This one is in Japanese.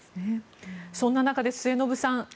そんな中、末延さん